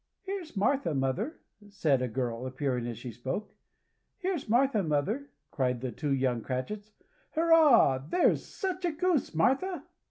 "Here's Martha, mother," said a girl appearing as she spoke. "Here's Martha, mother," cried the two young Cratchits. "Hurrah! There's such a goose, Martha!"